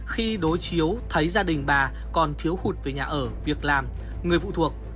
khi đối chiếu thấy gia đình bà còn thiếu hụt về nhà ở việc làm người phụ thuộc